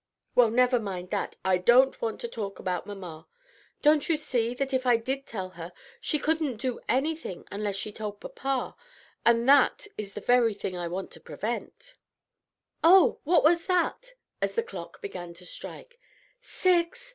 "Well, never mind that. I want to talk about mamma. Don't you see that if I did tell her she couldn't do anything unless she told papa? and that is the very thing I want to prevent. Oh, what was that?" as the clock began to strike. "Six!